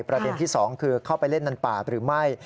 ประเด็นที่๒คือเข้าไปเล่นในป่าหรือไม่